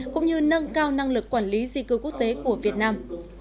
cũng như nâng cao năng lực quản lý di cư quốc tế của việt nam